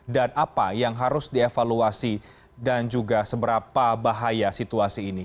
dan apa yang harus dievaluasi dan juga seberapa bahaya situasi ini